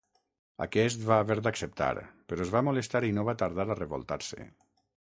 Aquest va haver d'acceptar però es va molestar i no va tardar a revoltar-se.